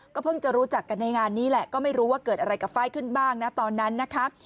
เพิ่งจะรู้จักกันในงานนี้แหละก็ไม่รู้ว่าเกิดอะไรกับไฟล์ขึ้นบ้างนะตอนนั้นนะคะ